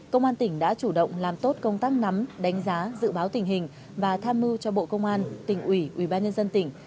công an tỉnh đã chủ động làm tốt công tác nắm đánh giá dự báo tình hình và tham mưu cho bộ công an tỉnh ủy ubnd tỉnh